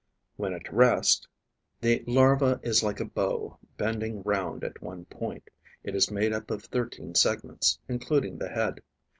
When at rest, the larva is like a bow bending round at one point. It is made up of thirteen segments, including the head.